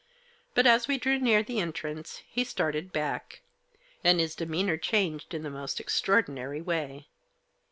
But, as we drew near the entrance, he started back ; and his demeanour changed in the most extraordinary way.